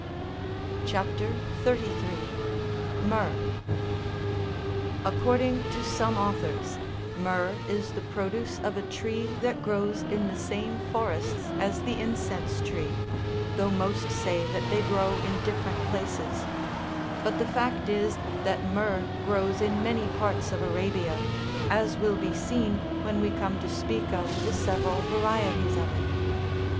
CHAP. 33. (15.) HYEEH. According to some authors, myrrh13 is the produce of a tree that grows in the same forests as the incense tree, though most say that they grow in different places : but the fact is that myrrh grows in many parts of Arabia, as will be seen when we come to speak of the several varieties of it.